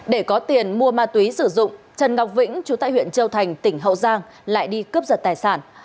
để có tiền mua ma túy sử dụng trần ngọc vĩnh chú tại huyện châu thành tỉnh hậu giang lại đi cướp giật tài sản